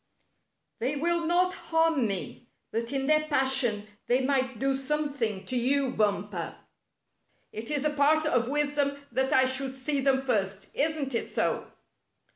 " They will not harm me, but in their passion they might do something to you. Bumper. It is the part of wisdom that I should see them first. Isn't it so?"